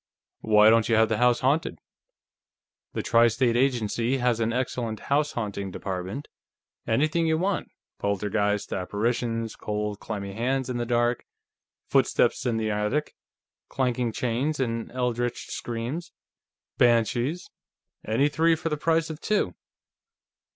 "Why don't you have the house haunted? The Tri State Agency has an excellent house haunting department. Anything you want; poltergeists; apparitions; cold, clammy hands in the dark; footsteps in the attic; clanking chains and eldritch screams; banshees. Any three for the price of two."